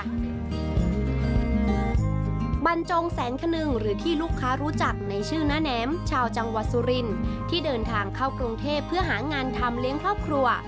บรรจงแสนคนนึงหรือที่ลูกค้ารู้จักในชื่อน้าแนมชาวจังหวัดสุรินที่เดินทางเข้ากรุงเทพเพื่อหางานทำเลี้ยงครอบครัว